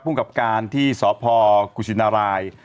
ภูมิกับการที่สพกุชินราย